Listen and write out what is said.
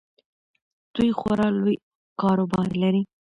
دوی خورا لوی کاروبار لري.